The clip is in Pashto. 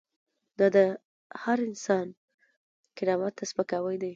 دا د هر انسان کرامت ته سپکاوی دی.